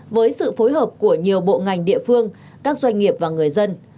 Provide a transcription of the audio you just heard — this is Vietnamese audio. với sự phối hợp của nhiều bộ ngành địa phương các doanh nghiệp và người dân